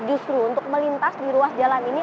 justru untuk melintas di ruas jalan ini